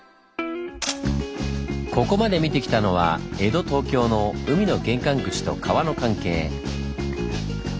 ここまで見てきたのは江戸・東京の海の玄関口と川の関係。